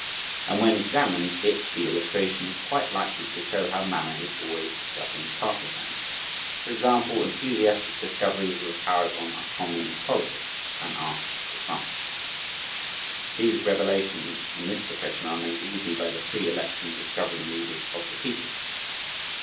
And when examined it (the illustration) is quite likely to show how "manner" is always discovering partisans. For example, enthusiastic discoveries of the "paragon" are common in politics an art to some. These revelations, in this profession are made easy by the pre election discovering leaders of the people.